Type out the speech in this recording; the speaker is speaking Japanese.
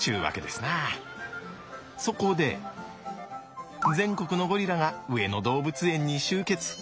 そこで全国のゴリラが上野動物園に集結。